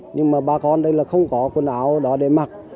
nhưng mà bà con đây là không có quần áo đó để mặc